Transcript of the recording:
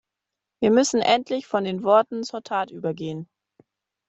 Wir müssen endlich von den Worten zur Tat übergehen.